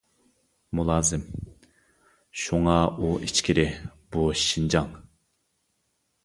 مۇلازىم: شۇڭا ئۇ ئىچكىرى، بۇ شىنجاڭ!